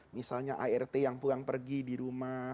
misalnya art yang pulang pergi di rumah